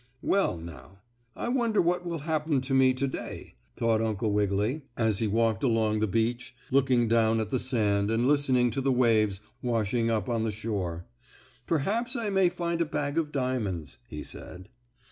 "Well, now, I wonder what will happen to me to day?" thought Uncle Wiggily as he walked along the beach, looked down at the sand and listened to the waves washing up on the shore. "Perhaps I may find a bag of diamonds," he said.